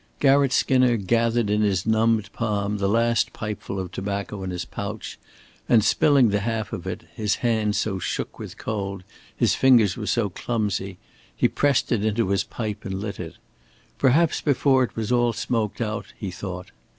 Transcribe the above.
Garratt Skinner gathered in his numbed palm the last pipeful of tobacco in his pouch and, spilling the half of it his hands so shook with cold, his fingers were so clumsy he pressed it into his pipe and lit it. Perhaps before it was all smoked out he thought.